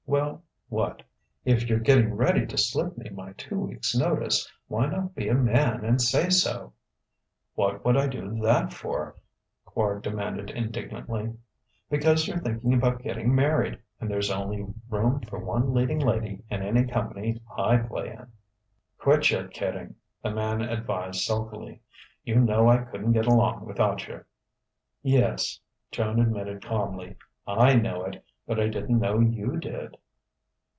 "Well what?" "If you're getting ready to slip me my two weeks' notice, why not be a man and say so?" "What would I do that for?" Quard demanded indignantly. "Because you're thinking about getting married; and there's only room for one leading lady in any company I play in." "Quit your kidding," the man advised sulkily; "you know I couldn't get along without you." "Yes," Joan admitted calmly, "I know it, but I didn't know you did."